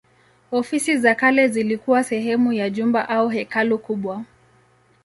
Ofisi za kale zilikuwa sehemu ya jumba au hekalu kubwa.